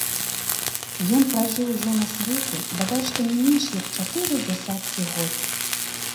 Ён пражыў ужо на свеце бадай што не менш як чатыры дзесяткі год.